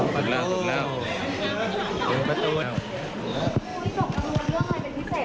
สั่งสำคัญ